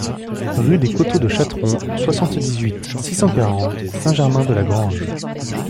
Rue des Coteaux de Chatron, soixante-dix-huit, six cent quarante Saint-Germain-de-la-Grange